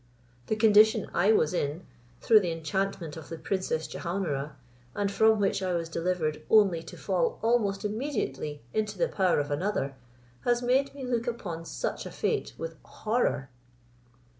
The condition I was in, through the enchantment of the Princess Jehaun ara, and from which I was delivered only to fall almost immediately into the power of another, has made me look upon such a fate with horror."